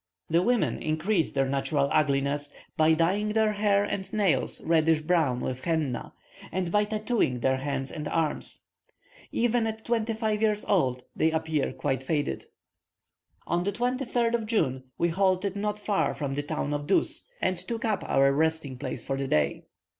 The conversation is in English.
The women increase their natural ugliness, by dyeing their hair and nails reddish brown with henna, and by tattooing their hands and arms. Even at twenty five years old, they appear quite faded. On the 23rd of June, we halted not far from the town of Dus, and took up our resting place for the day.